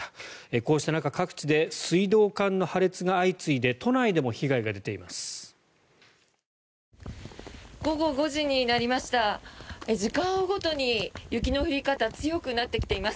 こうした中各地で水道管の破裂が相次いで都内でも被害が出ています。